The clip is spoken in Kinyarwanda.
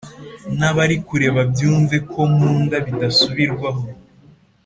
Nabari kure babyumve ko nkunda bidasubirwaho